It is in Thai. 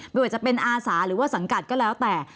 ไม่ว่าจะเป็นอาสาหรือว่าสังกัดก็แล้วแต่